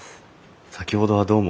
先ほどはどうも。